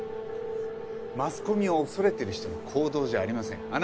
マスコミを恐れている人の行動じゃありません。